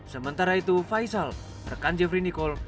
sementara itu faisal rekan jeffrey nicole